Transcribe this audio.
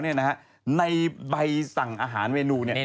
นี่ไงอย่างที่เห็น